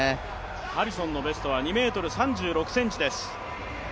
ハリソンのベストは２ｍ３６ｃｍです。